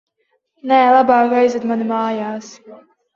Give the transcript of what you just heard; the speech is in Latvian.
Nē, labāk aizved mani mājās.